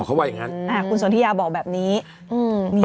อ๋อเขาว่าอย่างงั้นอืมอ่าคุณสวัสดียาบอกแบบนี้อืม